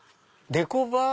デコバー？